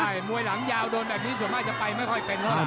ใช่มวยหลังยาวโดนแบบนี้ส่วนมากจะไปไม่ค่อยเป็นเท่าไห